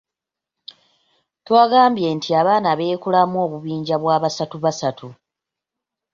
Twagambye nti abaana beekolamu obubinja bwa basatu basatu.